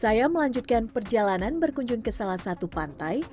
saya melanjutkan perjalanan berkunjung ke salah satu pantai